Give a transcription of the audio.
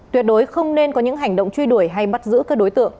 tuyệt đối không nên có những hành động truy đuổi hay bắt giữ các đối tượng